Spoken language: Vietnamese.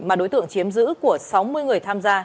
mà đối tượng chiếm giữ của sáu mươi người tham gia